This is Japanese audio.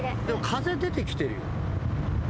風出てきてるよ。